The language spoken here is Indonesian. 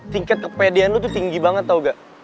tingkat kepedean lu tuh tinggi banget tau gak